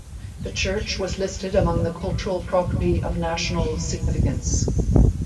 The church was listed among the Cultural Property of National Significance.